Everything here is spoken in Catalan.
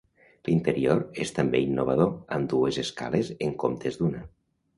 L'interior és també innovador, amb dues escales en comptes d'una.